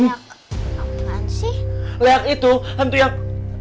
nah lehak itu hantu yang